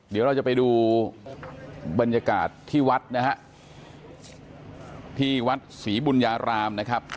เดี๋ยวเราจะไปดูบรรยากาศที่วัดนะฮะที่วัดศรีบุญญารามนะครับ